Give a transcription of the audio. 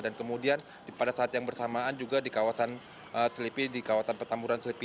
dan kemudian pada saat yang bersamaan juga di kawasan sleepy di kawasan pertamburan sleepy